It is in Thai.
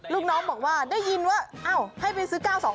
ลูกน้องบอกว่าได้ยินว่าอ้าวให้ไปซื้อ๙๒